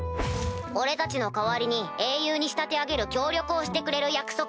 俺たちの代わりに英雄に仕立て上げる協力をしてくれる約束！